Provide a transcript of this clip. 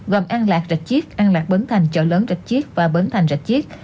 gồm an lạc rạch chiếc an lạc bến thành chợ lớn rạch chiếc và bến thành rạch chiếc